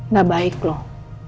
gak baik loh